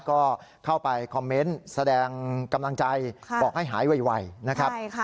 ก็เข้าไปคอมเมนต์แสดงกำลังใจบอกให้หายไวนะครับ